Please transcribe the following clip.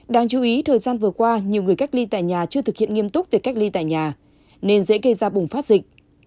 đáng chú ý thời gian vừa qua nhiều người cách ly tại nhà chưa thực hiện nghiêm túc việc cách ly tại nhà nên dễ gây ra bùng phát dịch